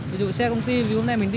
ví dụ xe công ty vì hôm nay mình đi